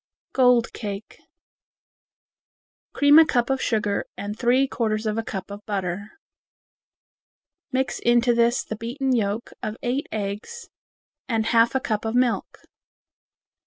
Gold Cake Cream a cup of sugar and three fourths of a cup of butter. Mix into this the beaten yolks of eight eggs and half a cup of milk.